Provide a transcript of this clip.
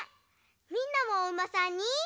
みんなもおうまさんに。